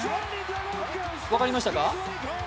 分かりましたか？